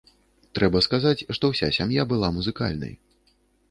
Трэба сказаць, што ўся сям'я была музыкальнай.